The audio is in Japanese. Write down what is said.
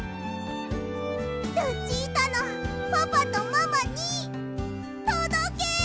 ルチータのパパとママにとどけ！